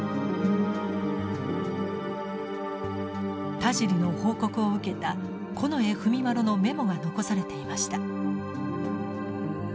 田尻の報告を受けた近衛文麿のメモが残されていました。